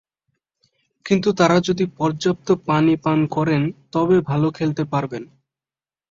কিন্তু তাঁরা যদি পর্যাপ্ত পানি পান করেন, তবে ভালো খেলতে পারবেন।